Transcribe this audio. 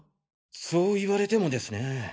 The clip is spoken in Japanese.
そう言われてもですね。